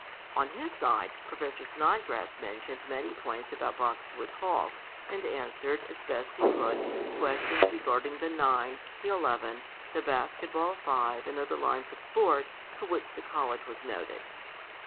On his side, Professor Snodgrass mentioned many points about Boxwood Hall, and answered, as best he could, questions regarding the nine, the eleven, the basket ball five and other lines of sport, for which the college was noted.